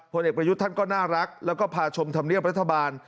เด็กประยุทธ์ท่านก็น่ารักแล้วก็พาชมธรรมเนียบรัฐบาล